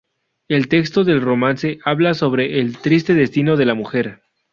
El texto del romance habla sobre el triste destino de la mujer.